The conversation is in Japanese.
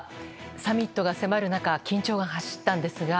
サミットが迫る中緊張が走ったんですが。